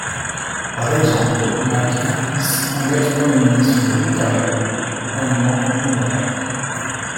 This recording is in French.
Par exemple, Mike Harris, un ex-premier ministre de l'Ontario, en est membre honoraire.